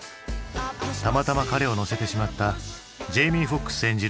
たまたま彼を乗せてしまったジェイミー・フォックス演じる